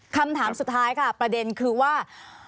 คำถามสุดท้ายค่ะประเด็นคือว่า